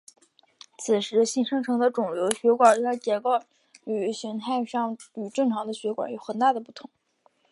此时新生成的肿瘤血管在结构与形态上与正常的血管有很大的不同。